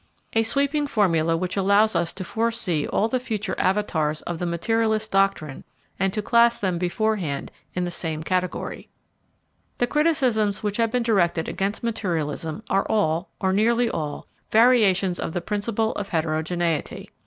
A sweeping formula which allows us to foresee all the future avatars of the materialist doctrine, and to class them beforehand in the same category. The criticisms which have been directed against materialism are all, or nearly all, variations of the principle of heterogeneity.